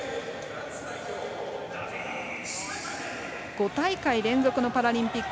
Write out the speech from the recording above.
５大会連続のパラリンピック。